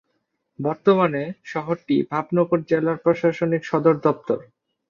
বর্তমানে, শহরটি ভাবনগর জেলার প্রশাসনিক সদর দপ্তর।